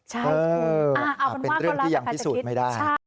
ใช่เป็นเรื่องที่ยังพิสูจน์ไม่ได้